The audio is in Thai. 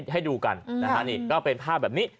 ให้ดูกันนะฮะนี่ก็เป็นภาพแบบนี้